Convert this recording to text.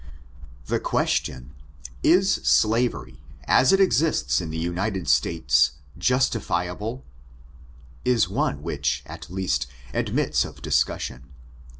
The question, ''Is slavery, as it exists in the United States, justifiable 1" is one which, at least, admits of discussion.